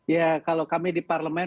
ya kalau kami di parlemen